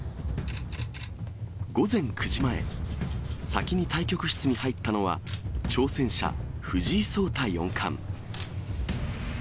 午前９時前、先に対局室に入ったのは、挑戦者、藤井聡太四冠。